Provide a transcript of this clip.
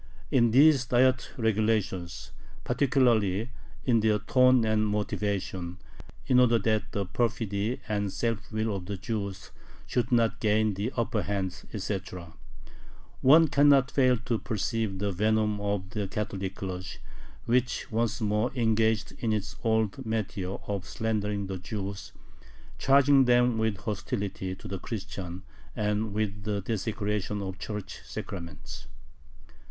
In these Diet regulations, particularly in their tone and motivation ("in order that the perfidy and self will of the Jews should not gain the upper hand," etc.), one cannot fail to perceive the venom of the Catholic clergy, which once more engaged in its old métier of slandering the Jews, charging them with hostility to the Christians and with the desecration of Church sacraments.